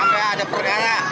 jangan sampai ada pergana